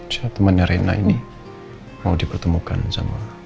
teman teman rena ini mau dipertemukan sama